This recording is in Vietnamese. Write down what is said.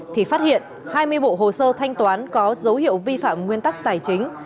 thì phát hiện hai mươi bộ hồ sơ thanh toán có dấu hiệu vi phạm nguyên tắc tài chính